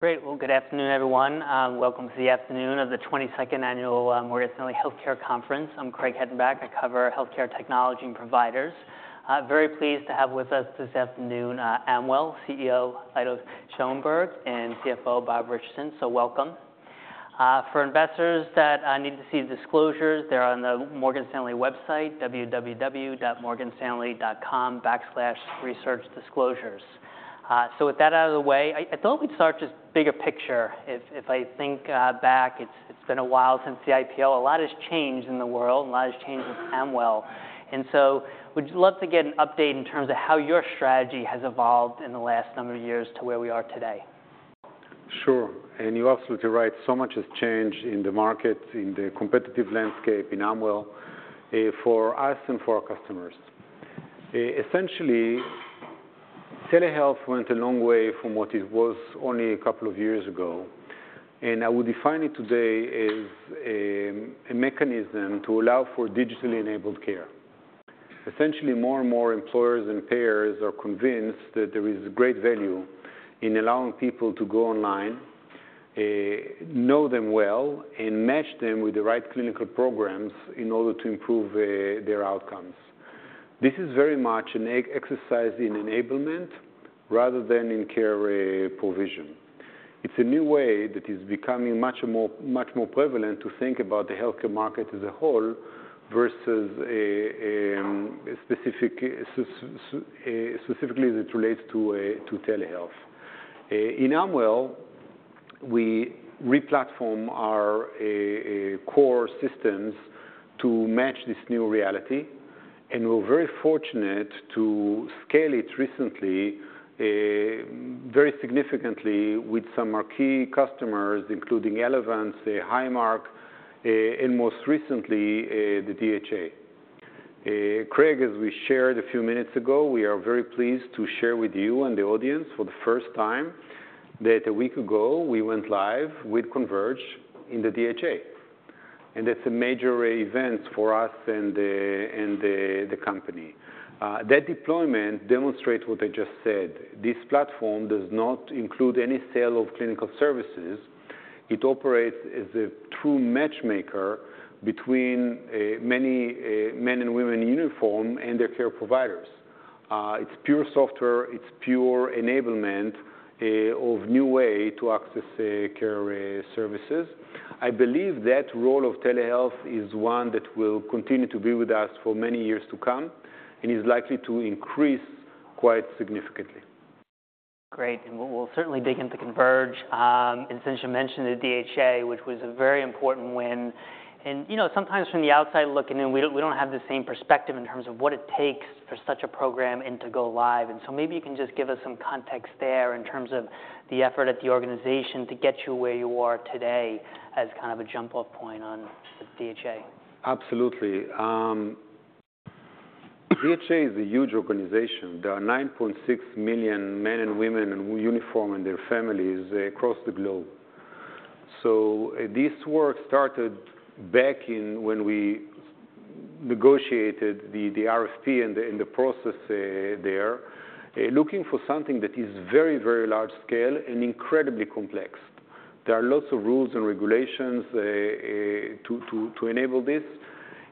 Great! Well, good afternoon, everyone. Welcome to the afternoon of the 22nd Annual Morgan Stanley Healthcare Conference. I'm Craig Hettenbach. I cover healthcare technology and providers. Very pleased to have with us this afternoon Amwell CEO Ido Schoenberg and CFO Bob Richardson. Welcome. For investors that need to see the disclosures, they're on the Morgan Stanley website, www.morganstanley.com/researchdisclosures. So with that out of the way, I thought we'd start just bigger picture. If I think back, it's been a while since the IPO. A lot has changed in the world, and a lot has changed with Amwell. And so would you love to get an update in terms of how your strategy has evolved in the last number of years to where we are today? Sure. And you're absolutely right, so much has changed in the market, in the competitive landscape, in Amwell, for us and for our customers. Essentially, telehealth went a long way from what it was only a couple of years ago, and I would define it today as a mechanism to allow for digitally enabled care. Essentially, more and more employers and payers are convinced that there is great value in allowing people to go online, know them well, and match them with the right clinical programs in order to improve their outcomes. This is very much an exercise in enablement rather than in care provision. It's a new way that is becoming much more prevalent to think about the healthcare market as a whole versus a specific, specifically as it relates to telehealth. In Amwell, we re-platform our core systems to match this new reality, and we're very fortunate to scale it recently very significantly with some of our key customers, including Elevance, Highmark, and most recently, the DHA. Craig, as we shared a few minutes ago, we are very pleased to share with you and the audience for the first time that a week ago we went live with Converge in the DHA, and that's a major event for us and the company. That deployment demonstrates what I just said. This platform does not include any sale of clinical services. It operates as a true matchmaker between many men and women in uniform and their care providers. It's pure software, it's pure enablement of new way to access care services. I believe that role of telehealth is one that will continue to be with us for many years to come and is likely to increase quite significantly. Great, and we'll certainly dig into Converge. And since you mentioned the DHA, which was a very important win, and, you know, sometimes from the outside looking in, we don't have the same perspective in terms of what it takes for such a program and to go live. Maybe you can just give us some context there in terms of the effort at the organization to get you where you are today as kind of a jump-off point on the DHA. Absolutely. DHA is a huge organization. There are 9.6 million men and women in uniform and their families across the globe. So this work started back in when we negotiated the RFP and the process looking for something that is very, very large scale and incredibly complex. There are lots of rules and regulations to enable this,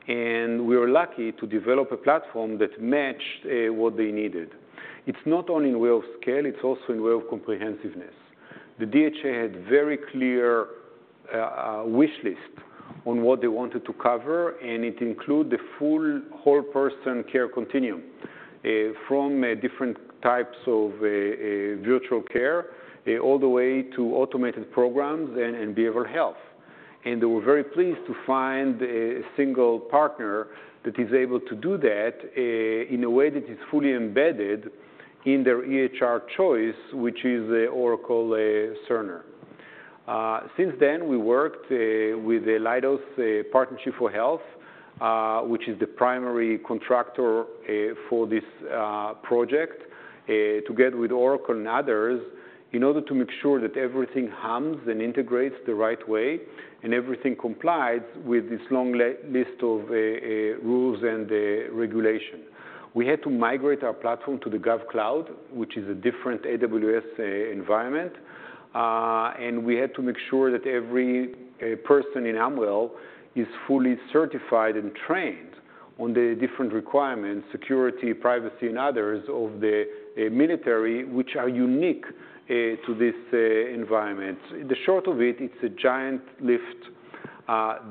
and we were lucky to develop a platform that matched what they needed. It's not only in way of scale, it's also in way of comprehensiveness. The DHA had very clear wish list on what they wanted to cover, and it include the full, whole person care continuum from different types of virtual care all the way to automated programs and behavioral health. They were very pleased to find a single partner that is able to do that, in a way that is fully embedded in their EHR choice, which is Oracle Cerner. Since then, we worked with the Leidos Partnership for Health, which is the primary contractor for this project, together with Oracle and others, in order to make sure that everything hums and integrates the right way and everything complies with this long list of rules and regulation. We had to migrate our platform to the GovCloud, which is a different AWS environment, and we had to make sure that every person in Amwell is fully certified and trained on the different requirements, security, privacy, and others of the military, which are unique to this environment. The short of it, it's a giant lift.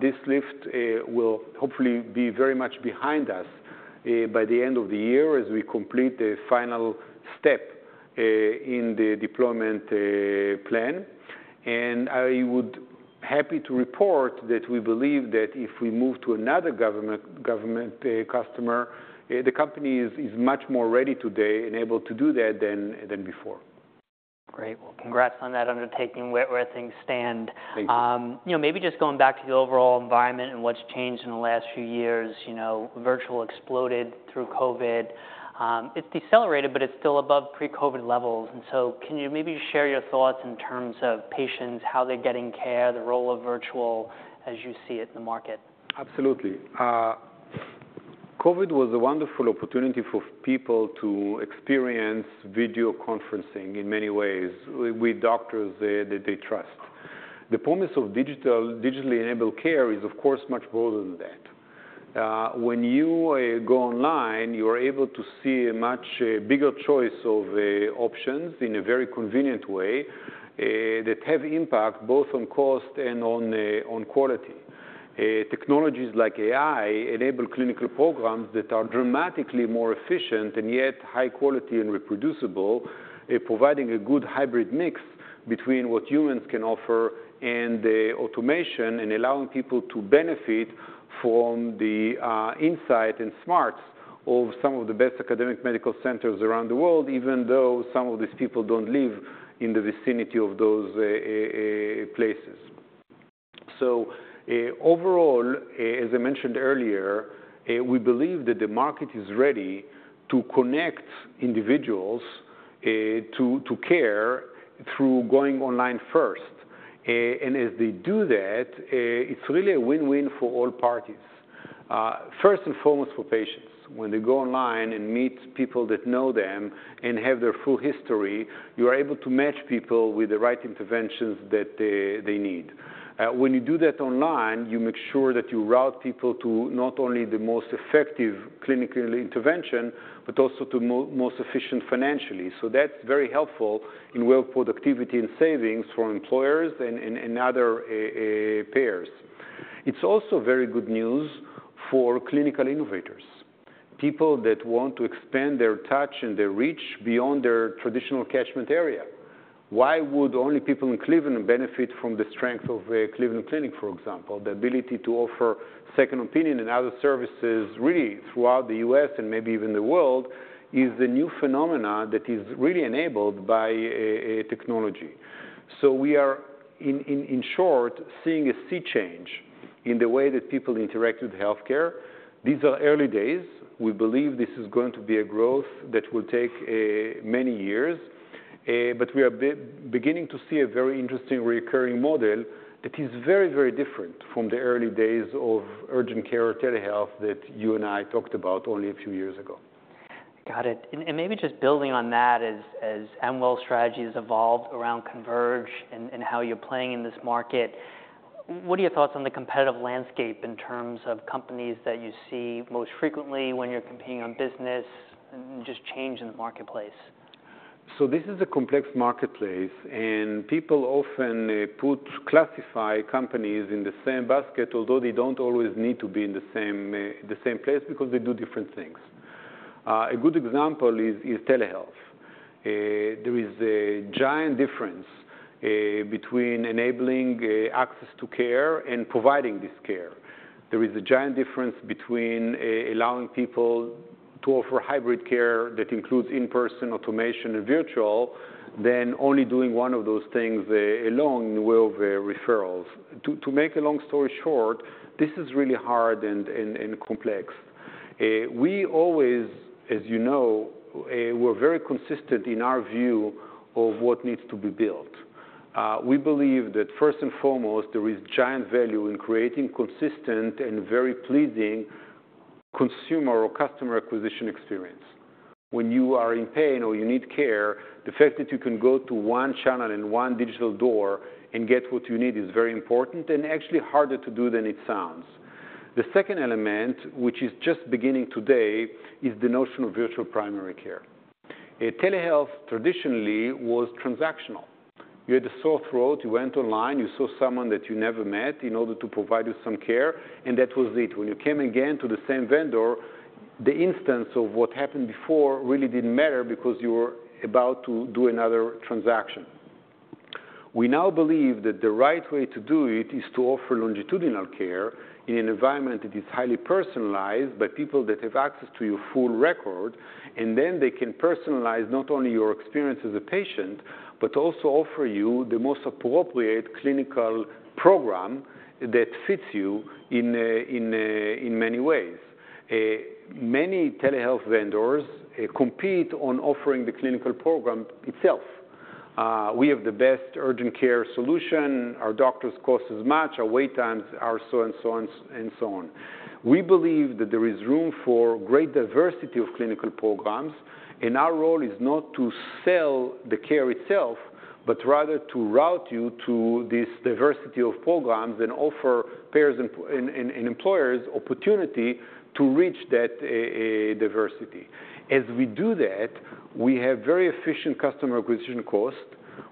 This lift will hopefully be very much behind us by the end of the year as we complete the final step in the deployment plan, and I would be happy to report that we believe that if we move to another government customer, the company is much more ready today and able to do that than before. Great. Well, congrats on that undertaking, where things stand. Thank you. You know, maybe just going back to the overall environment and what's changed in the last few years, you know, virtual exploded through COVID. It's decelerated, but it's still above pre-COVID levels, and so can you maybe share your thoughts in terms of patients, how they're getting care, the role of virtual as you see it in the market? Absolutely. COVID was a wonderful opportunity for people to experience video conferencing in many ways with doctors they, that they trust. The promise of digitally enabled care is, of course, much broader than that. When you go online, you are able to see a much bigger choice of options in a very convenient way that have impact both on cost and on quality. Technologies like AI enable clinical programs that are dramatically more efficient and yet high quality and reproducible, providing a good hybrid mix between what humans can offer and the automation, and allowing people to benefit from the insight and smarts of some of the best academic medical centers around the world, even though some of these people don't live in the vicinity of those places. So, overall, as I mentioned earlier, we believe that the market is ready to connect individuals to care through going online first, and as they do that, it's really a win-win for all parties. First and foremost, for patients. When they go online and meet people that know them and have their full history, you are able to match people with the right interventions that they need. When you do that online, you make sure that you route people to not only the most effective clinical intervention, but also to most efficient financially, so that's very helpful in work productivity and savings for employers and other payers. It's also very good news for clinical innovators, people that want to expand their touch and their reach beyond their traditional catchment area. Why would only people in Cleveland benefit from the strength of a Cleveland Clinic, for example? The ability to offer second opinion and other services really throughout the U.S., and maybe even the world, is a new phenomenon that is really enabled by technology. So we are, in short, seeing a sea change in the way that people interact with healthcare. These are early days. We believe this is going to be a growth that will take many years, but we are beginning to see a very interesting recurring model that is very, very different from the early days of urgent care or telehealth that you and I talked about only a few years ago. Got it. And maybe just building on that, as Amwell's strategy has evolved around Converge and how you're playing in this market, what are your thoughts on the competitive landscape in terms of companies that you see most frequently when you're competing on business, and just change in the marketplace? This is a complex marketplace, and people often classify companies in the same basket, although they don't always need to be in the same place because they do different things. A good example is telehealth. There is a giant difference between enabling access to care and providing this care. There is a giant difference between allowing people to offer hybrid care that includes in-person automation and virtual, than only doing one of those things alone with referrals. To make a long story short, this is really hard and complex. We always, as you know, we're very consistent in our view of what needs to be built. We believe that, first and foremost, there is giant value in creating consistent and very pleasing consumer or customer acquisition experience. When you are in pain or you need care, the fact that you can go to one channel and one digital door and get what you need is very important, and actually harder to do than it sounds. The second element, which is just beginning today, is the notion of virtual primary care. Telehealth, traditionally, was transactional. You had a sore throat, you went online, you saw someone that you never met in order to provide you some care, and that was it. When you came again to the same vendor, the instance of what happened before really didn't matter because you were about to do another transaction. We now believe that the right way to do it is to offer longitudinal care in an environment that is highly personalized, by people that have access to your full record, and then they can personalize not only your experience as a patient, but also offer you the most appropriate clinical program that fits you in many ways. Many telehealth vendors compete on offering the clinical program itself. We have the best urgent care solution. Our doctors cost as much, our wait times are so and so on and so on. We believe that there is room for great diversity of clinical programs, and our role is not to sell the care itself, but rather to route you to this diversity of programs and offer payers and employers opportunity to reach that diversity. As we do that, we have very efficient customer acquisition cost.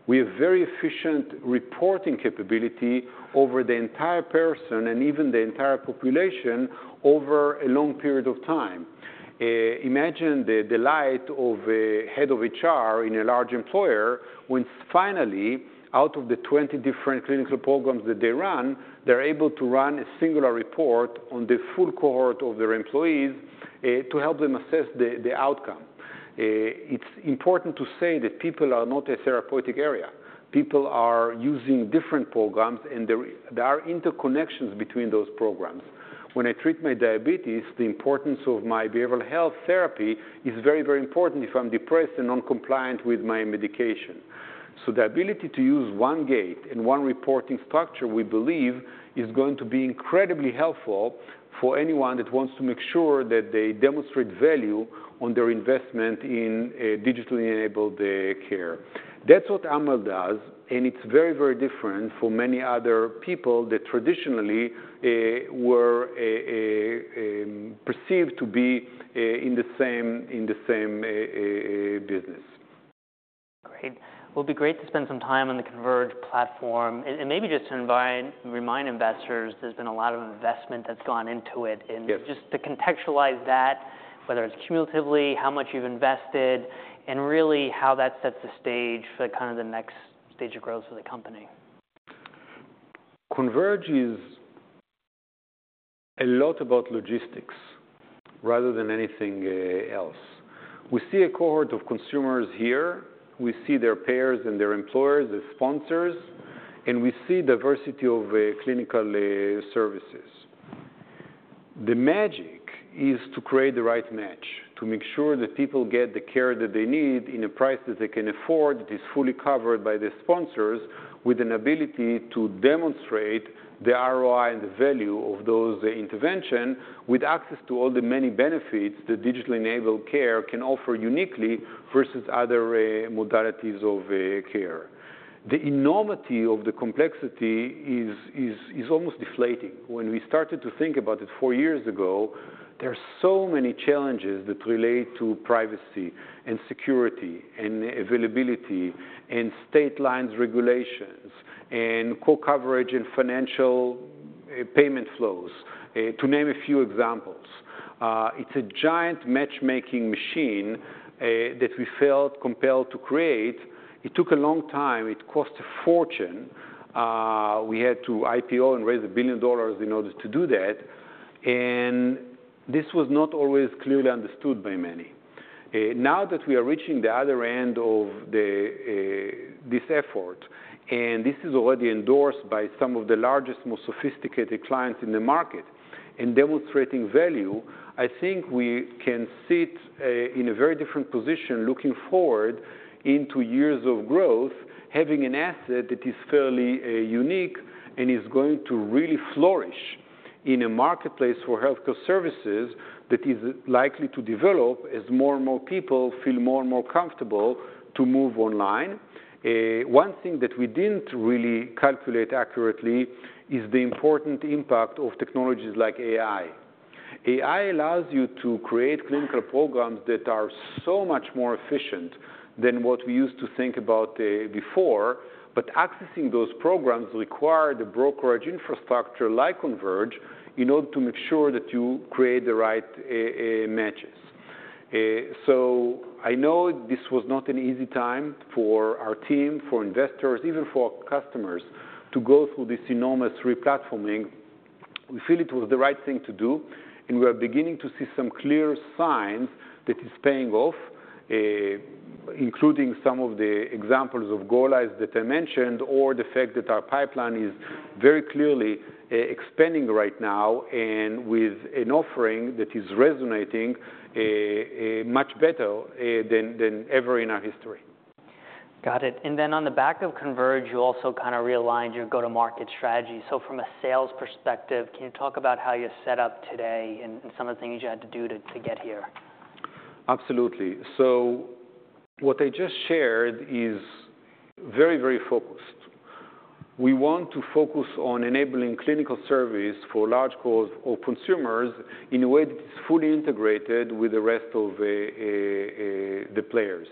We have very efficient reporting capability over the entire person and even the entire population over a long period of time. Imagine the delight of a head of HR in a large employer when finally, out of the 20 different clinical programs that they run, they're able to run a singular report on the full cohort of their employees, to help them assess the outcome. It's important to say that people are not a therapeutic area. People are using different programs, and there are interconnections between those programs. When I treat my diabetes, the importance of my behavioral health therapy is very, very important if I'm depressed and non-compliant with my medication.... So the ability to use one gate and one reporting structure, we believe, is going to be incredibly helpful for anyone that wants to make sure that they demonstrate value on their investment in digitally enabled care. That's what Amwell does, and it's very, very different for many other people that traditionally were perceived to be in the same business. Great. Well, it'll be great to spend some time on the Converge platform. And, maybe just to invite, remind investors there's been a lot of investment that's gone into it. Yes. And just to contextualize that, whether it's cumulatively, how much you've invested, and really how that sets the stage for kind of the next stage of growth for the company. Converge is a lot about logistics rather than anything else. We see a cohort of consumers here, we see their payers and their employers, their sponsors, and we see diversity of clinical services. The magic is to create the right match, to make sure that people get the care that they need in a price that they can afford, that is fully covered by the sponsors, with an ability to demonstrate the ROI and the value of those intervention, with access to all the many benefits the digitally enabled care can offer uniquely versus other modalities of care. The enormity of the complexity is almost deflating. When we started to think about it four years ago, there are so many challenges that relate to privacy, and security, and availability, and state line regulations, and coverage and financial payment flows, to name a few examples. It's a giant matchmaking machine that we felt compelled to create. It took a long time. It cost a fortune. We had to IPO and raise $1 billion in order to do that, and this was not always clearly understood by many. Now that we are reaching the other end of the this effort, and this is already endorsed by some of the largest, most sophisticated clients in the market, in demonstrating value, I think we can sit in a very different position, looking forward into years of growth, having an asset that is fairly unique and is going to really flourish in a marketplace for healthcare services that is likely to develop as more and more people feel more and more comfortable to move online. One thing that we didn't really calculate accurately is the important impact of technologies like AI. AI allows you to create clinical programs that are so much more efficient than what we used to think about before, but accessing those programs require the brokerage infrastructure like Converge, in order to make sure that you create the right matches. So I know this was not an easy time for our team, for investors, even for our customers, to go through this enormous replatforming. We feel it was the right thing to do, and we are beginning to see some clear signs that it's paying off, including some of the examples of Oracle that I mentioned, or the fact that our pipeline is very clearly expanding right now, and with an offering that is resonating much better than ever in our history. Got it. And then on the back of Converge, you also kind of realigned your go-to-market strategy. So from a sales perspective, can you talk about how you're set up today and some of the things you had to do to get here? Absolutely. So what I just shared is very, very focused. We want to focus on enabling clinical service for large cohorts or consumers in a way that is fully integrated with the rest of the players.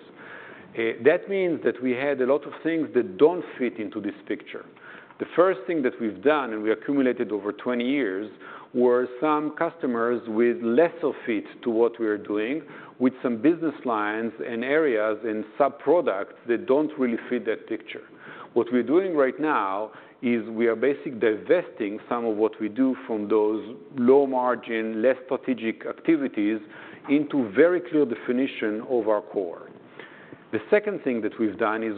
That means that we had a lot of things that don't fit into this picture. The first thing that we've done, and we accumulated over 20 years, were some customers with less of fit to what we are doing, with some business lines and areas and sub-products that don't really fit that picture. What we're doing right now is we are basically divesting some of what we do from those low-margin, less strategic activities into very clear definition of our core. The second thing that we've done is,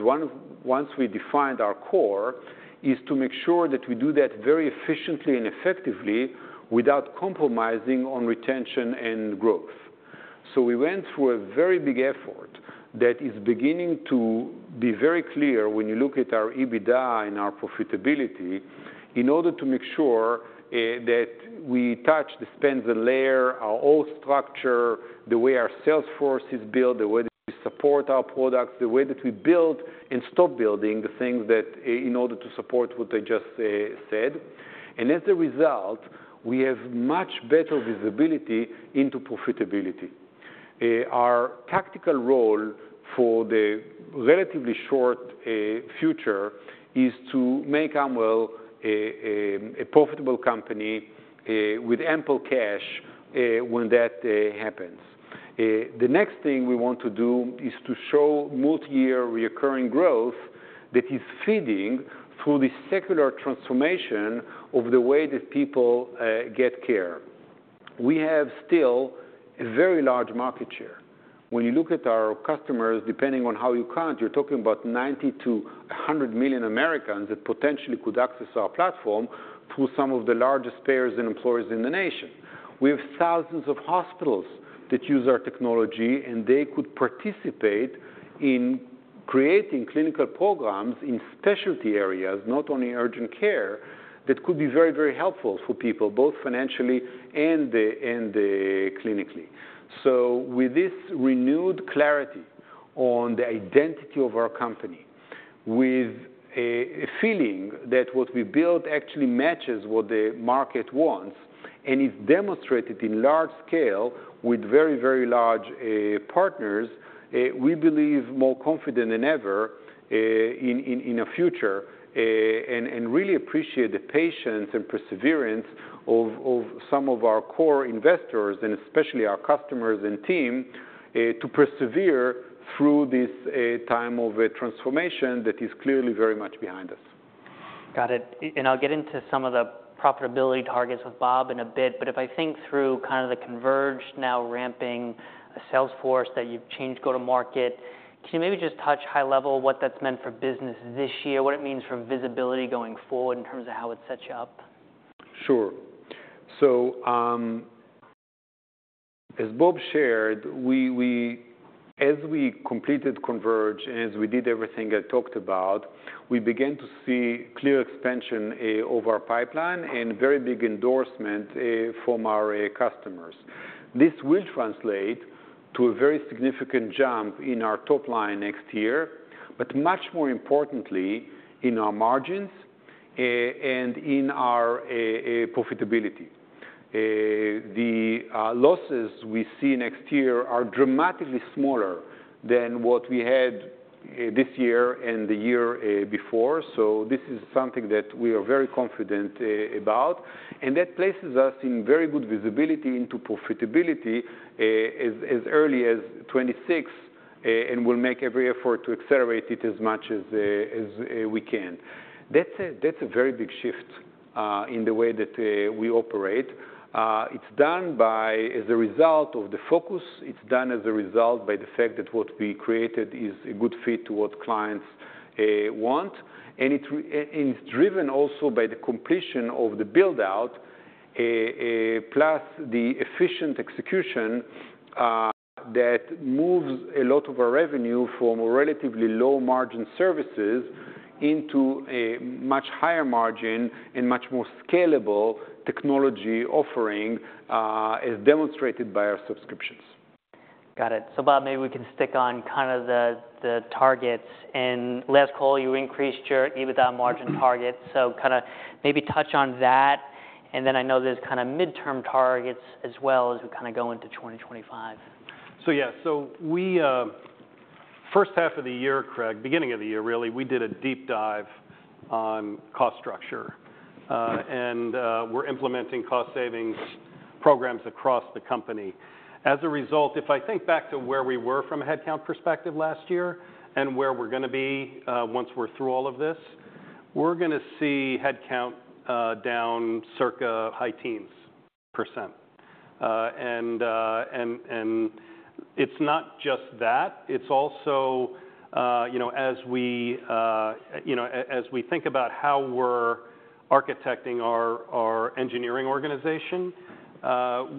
once we defined our core, to make sure that we do that very efficiently and effectively without compromising on retention and growth, so we went through a very big effort that is beginning to be very clear when you look at our EBITDA and our profitability, in order to make sure that we touch, dispense with the layer, our old structure, the way our sales force is built, the way that we support our products, the way that we build and stop building the things that in order to support what I just said, and as a result, we have much better visibility into profitability. Our tactical role for the relatively short future is to make Amwell a profitable company with ample cash when that happens. The next thing we want to do is to show multi-year recurring growth that is feeding through the secular transformation of the way that people get care. We have still a very large market share. When you look at our customers, depending on how you count, you're talking about 90-100 million Americans that potentially could access our platform through some of the largest payers and employers in the nation. We have thousands of hospitals that use our technology, and they could participate in creating clinical programs in specialty areas, not only urgent care, that could be very, very helpful for people, both financially and clinically. So with this renewed clarity on the identity of our company, with a feeling that what we built actually matches what the market wants, and is demonstrated in large scale with very, very large partners, we believe more confident than ever in our future, and really appreciate the patience and perseverance of some of our core investors, and especially our customers and team, to persevere through this time of a transformation that is clearly very much behind us. Got it. And I'll get into some of the profitability targets with Bob in a bit, but if I think through kind of the Converge now ramping a sales force, that you've changed go-to-market, can you maybe just touch high level what that's meant for business this year, what it means for visibility going forward in terms of how it sets you up? Sure. So as Bob shared, as we completed Converge, and as we did everything I talked about, we began to see clear expansion of our pipeline and very big endorsement from our customers. This will translate to a very significant jump in our top line next year, but much more importantly, in our margins and in our profitability. The losses we see next year are dramatically smaller than what we had this year and the year before. So this is something that we are very confident about, and that places us in very good visibility into profitability as early as 2026, and we'll make every effort to accelerate it as much as we can. That's a very big shift in the way that we operate. It's done by... As a result of the focus, it's done as a result by the fact that what we created is a good fit to what clients want. And it's driven also by the completion of the build-out, plus the efficient execution that moves a lot of our revenue from relatively low-margin services into a much higher margin and much more scalable technology offering, as demonstrated by our subscriptions. Got it. So, Bob, maybe we can stick on kind of the targets. In last call, you increased your EBITDA margin target, so kinda maybe touch on that, and then I know there's kind of midterm targets as well as we kind of go into 2025. Yeah. We first half of the year, Craig, beginning of the year, really, we did a deep dive on cost structure. We're implementing cost savings programs across the company. As a result, if I think back to where we were from a headcount perspective last year and where we're gonna be once we're through all of this, we're gonna see headcount down circa high teens%. It's not just that, it's also you know, as we you know as we think about how we're architecting our engineering organization,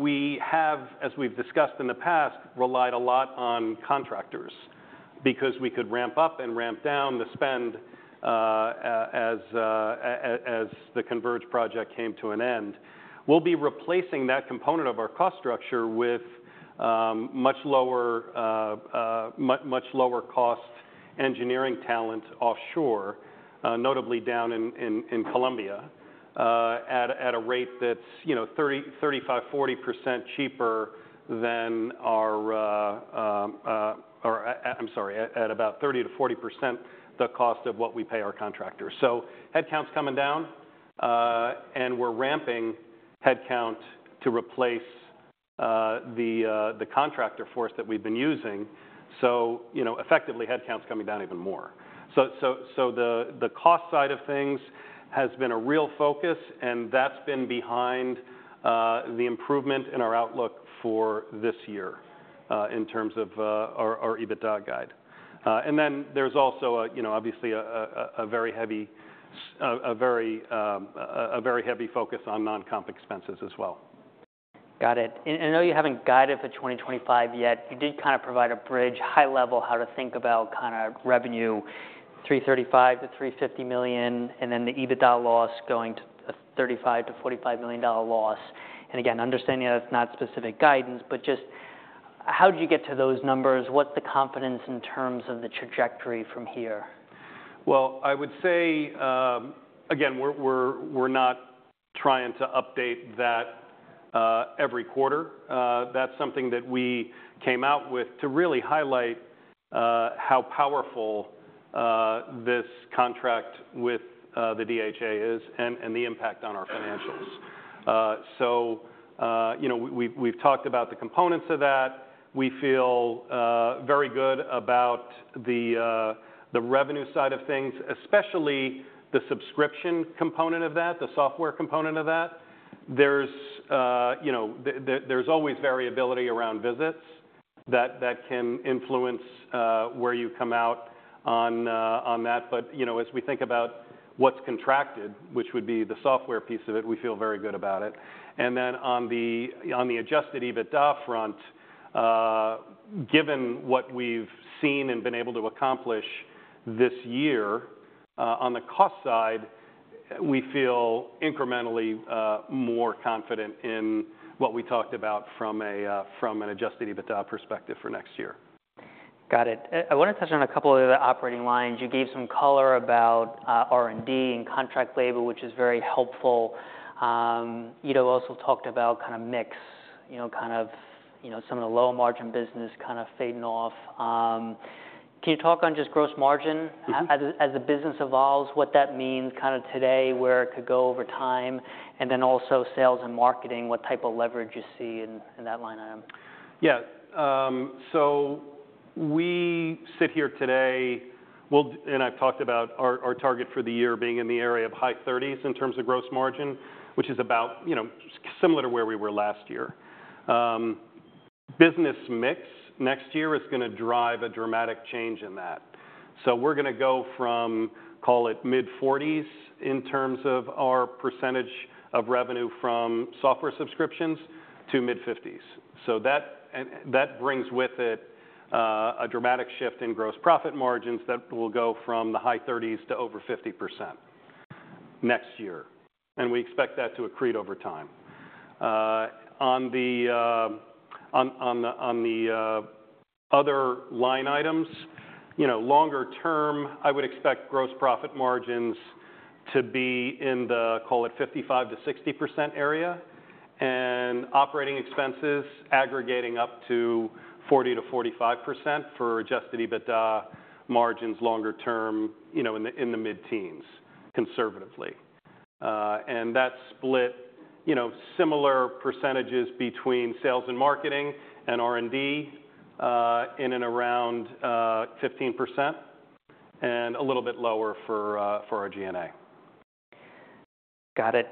we have, as we've discussed in the past, relied a lot on contractors because we could ramp up and ramp down the spend as the Converge project came to an end. We'll be replacing that component of our cost structure with much lower cost engineering talent offshore, notably down in Colombia, at a rate that's, you know, 30, 35, 40% cheaper than our. Or I'm sorry, at about 30-40% the cost of what we pay our contractors. So headcount's coming down, and we're ramping headcount to replace the contractor force that we've been using. So, you know, effectively, headcount's coming down even more. So the cost side of things has been a real focus, and that's been behind the improvement in our outlook for this year, in terms of our EBITDA guide. And then there's also, you know, obviously, a very heavy focus on non-comp expenses as well. Got it. And I know you haven't guided for 2025 yet. You did kind of provide a bridge, high level, how to think about kind of revenue, $335 million-$350 million, and then the EBITDA loss going to a $35 million-$45 million loss. And again, understanding that's not specific guidance, but just how did you get to those numbers? What's the confidence in terms of the trajectory from here? I would say, again, we're not trying to update that every quarter. That's something that we came out with to really highlight how powerful this contract with the DHA is, and the impact on our financials. You know, we've talked about the components of that. We feel very good about the revenue side of things, especially the subscription component of that, the software component of that. You know, there's always variability around visits that can influence where you come out on that, but you know, as we think about what's contracted, which would be the software piece of it, we feel very good about it. And then on the adjusted EBITDA front, given what we've seen and been able to accomplish this year, on the cost side, we feel incrementally more confident in what we talked about from an adjusted EBITDA perspective for next year. Got it. I wanna touch on a couple of the other operating lines. You gave some color about R&D and contract labor, which is very helpful. Ido also talked about kind of mix, you know, some of the low-margin business kind of fading off. Can you talk on just gross margin- Mm-hmm... as the business evolves, what that means kind of today, where it could go over time? And then also sales and marketing, what type of leverage you see in that line item? Yeah. So we sit here today, and I've talked about our target for the year being in the area of high 30s% in terms of gross margin, which is about, you know, similar to where we were last year. Business mix next year is gonna drive a dramatic change in that. So we're gonna go from, call it, mid-40s% in terms of our percentage of revenue from software subscriptions to mid-50s%. So that brings with it a dramatic shift in gross profit margins that will go from the high 30s% to over 50% next year, and we expect that to accrete over time. On the other line items, you know, longer term, I would expect gross profit margins to be in the, call it, 55-60% area, and operating expenses aggregating up to 40-45% for adjusted EBITDA margins longer term, you know, in the, in the mid-teens, conservatively, and that split, you know, similar percentages between sales and marketing and R&D, in and around, 15%, and a little bit lower for our G&A. Got it.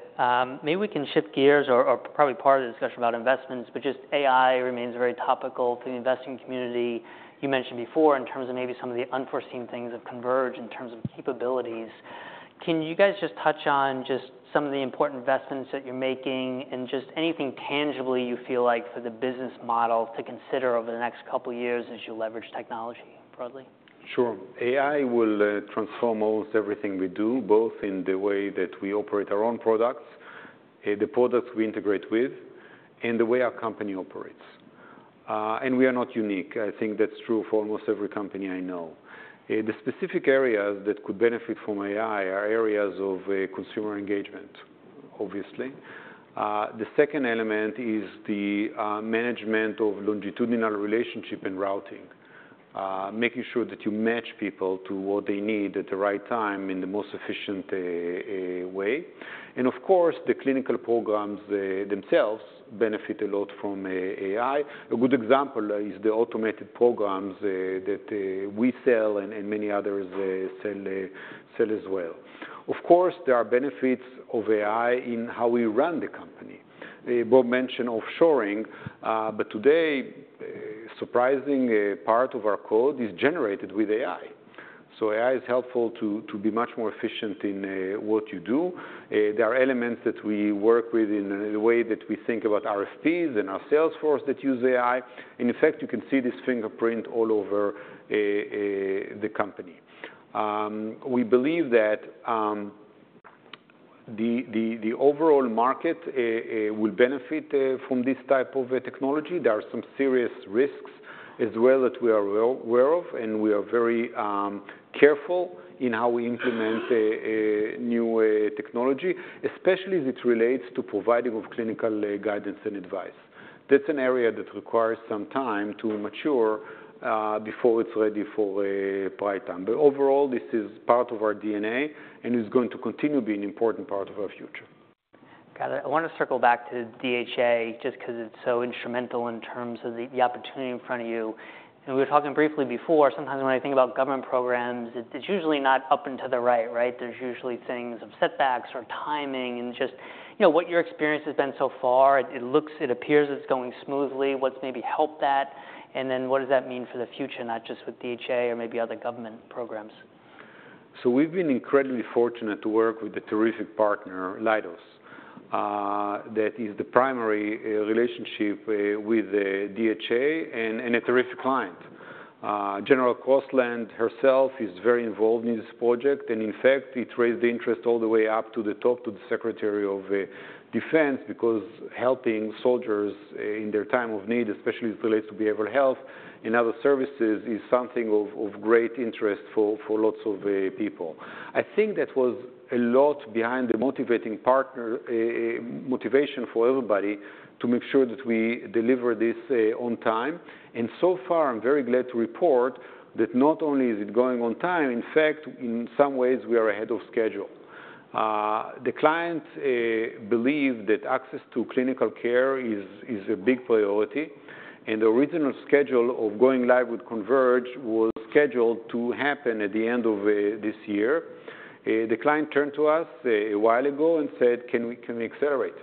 Maybe we can shift gears or probably part of the discussion about investments, but just AI remains very topical for the investing community. You mentioned before in terms of maybe some of the unforeseen things that Converge in terms of capabilities. Can you guys just touch on just some of the important investments that you're making and just anything tangibly you feel like for the business model to consider over the next couple of years as you leverage technology broadly? Sure. AI will transform almost everything we do, both in the way that we operate our own products, the products we integrate with, and the way our company operates, and we are not unique. I think that's true for almost every company I know. The specific areas that could benefit from AI are areas of consumer engagement, obviously. The second element is the management of longitudinal relationship and routing, making sure that you match people to what they need at the right time in the most efficient way, and of course, the clinical programs themselves benefit a lot from AI. A good example is the automated programs that we sell and many others sell as well. Of course, there are benefits of AI in how we run the company. Bob mentioned offshoring, but today, surprisingly, a part of our code is generated with AI. So AI is helpful to be much more efficient in what you do. There are elements that we work with in the way that we think about RFPs and our sales force that use AI. In effect, you can see this fingerprint all over the company. We believe that the overall market will benefit from this type of technology. There are some serious risks as well that we are aware of, and we are very careful in how we implement a new way technology, especially as it relates to providing of clinical guidance and advice. That's an area that requires some time to mature before it's ready for prime time. But overall, this is part of our DNA and is going to continue to be an important part of our future. Got it. I want to circle back to DHA, just because it's so instrumental in terms of the opportunity in front of you. We were talking briefly before. Sometimes when I think about government programs, it's usually not up and to the right, right? There's usually things like setbacks or timing and just... You know, what your experience has been so far, it appears it's going smoothly. What's maybe helped that, and then what does that mean for the future, not just with DHA or maybe other government programs? We've been incredibly fortunate to work with a terrific partner, Leidos. That is the primary relationship with the DHA and a terrific client. General Crosland herself is very involved in this project, and in fact, it raised the interest all the way up to the top, to the Secretary of Defense, because helping soldiers in their time of need, especially as it relates to behavioral health and other services, is something of great interest for lots of people. I think that was a lot behind the motivation for everybody to make sure that we deliver this on time. So far, I'm very glad to report that not only is it going on time, in fact, in some ways, we are ahead of schedule. The clients believe that access to clinical care is a big priority, and the original schedule of going live with Converge was scheduled to happen at the end of this year. The client turned to us a while ago and said: "Can we accelerate?"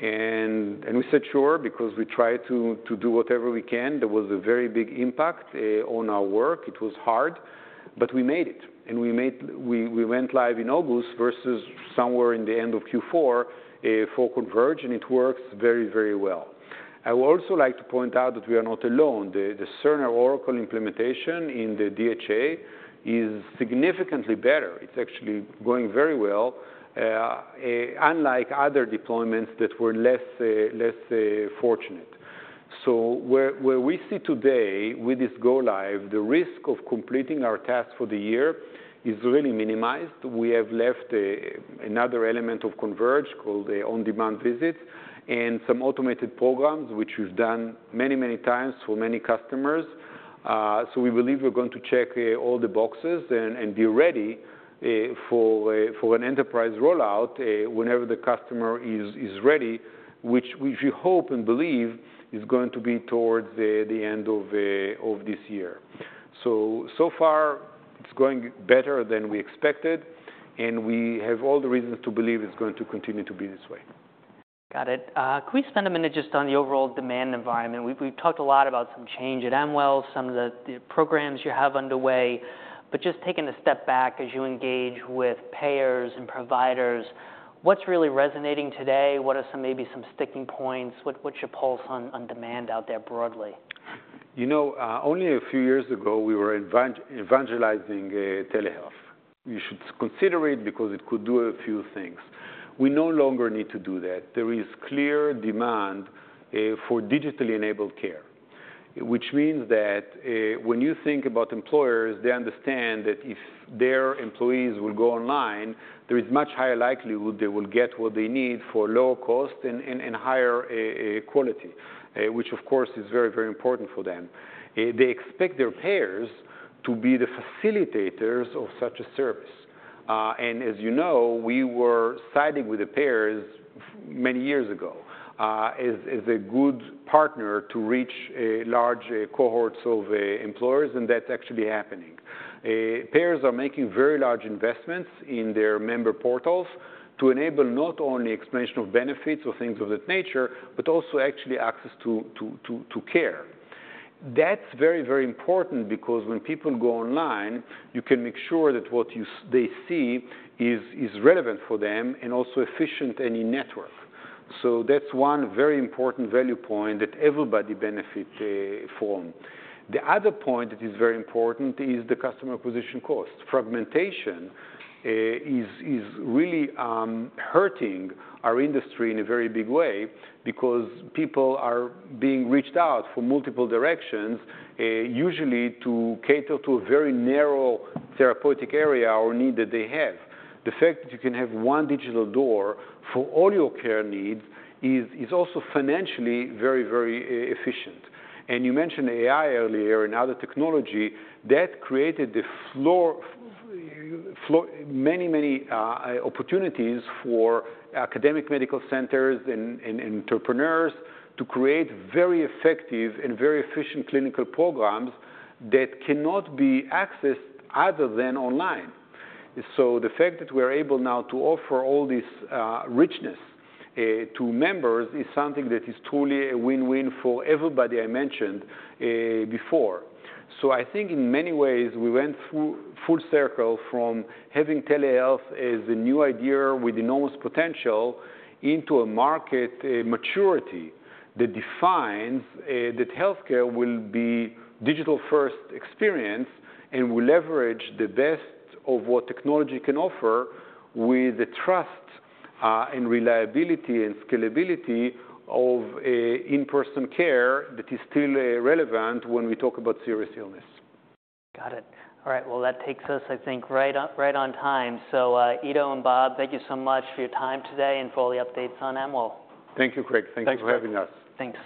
and we said sure, because we try to do whatever we can. There was a very big impact on our work. It was hard, but we made it. We went live in August versus somewhere in the end of Q4 for Converge, and it works very, very well. I would also like to point out that we are not alone. The Oracle Cerner implementation in the DHA is significantly better. It's actually going very well, unlike other deployments that were less fortunate. So where we sit today, with this go-live, the risk of completing our task for the year is really minimized. We have left another element of Converge, called On-Demand Visits, and some automated programs, which we've done many, many times for many customers. So we believe we're going to check all the boxes and be ready for an enterprise rollout whenever the customer is ready, which we hope and believe is going to be towards the end of this year. So far, it's going better than we expected, and we have all the reasons to believe it's going to continue to be this way. Got it. Can we spend a minute just on the overall demand environment? We've talked a lot about some change at Amwell, some of the programs you have underway, but just taking a step back as you engage with payers and providers, what's really resonating today? What are some, maybe some sticking points? What's your pulse on demand out there broadly? You know, only a few years ago, we were evangelizing telehealth. You should consider it because it could do a few things. We no longer need to do that. There is clear demand for digitally enabled care, which means that when you think about employers, they understand that if their employees will go online, there is much higher likelihood they will get what they need for lower cost and higher quality, which, of course, is very, very important for them. They expect their payers to be the facilitators of such a service, and as you know, we were siding with the payers for many years ago, as a good partner to reach large cohorts of employers, and that's actually happening. Payers are making very large investments in their member portals to enable not only explanation of benefits or things of that nature, but also actually access to care. That's very, very important because when people go online, you can make sure that what they see is relevant for them and also efficient in network. So that's one very important value point that everybody benefit from. The other point that is very important is the customer acquisition cost. Fragmentation is really hurting our industry in a very big way because people are being reached out from multiple directions, usually to cater to a very narrow therapeutic area or need that they have. The fact that you can have one digital door for all your care needs is also financially very efficient. And you mentioned AI earlier and other technology that created the floor for many, many opportunities for academic medical centers and entrepreneurs to create very effective and very efficient clinical programs that cannot be accessed other than online. So the fact that we're able now to offer all this richness to members is something that is truly a win-win for everybody I mentioned before. So I think in many ways, we went full circle from having telehealth as a new idea with enormous potential into a market maturity that defines that healthcare will be digital-first experience and will leverage the best of what technology can offer with the trust and reliability and scalability of an in-person care that is still relevant when we talk about serious illness. Got it. All right, well, that takes us, I think, right on, right on time. So, Ido and Bob, thank you so much for your time today and for all the updates on Amwell. Thank you, Craig. Thanks. Thank you for having us. Thanks.